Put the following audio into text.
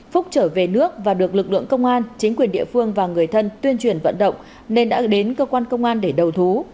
phúc trở về nước và được lực lượng công an chính quyền địa phương và người thân tuyên truyền vận động nên đã đến cơ quan công an để đầu thú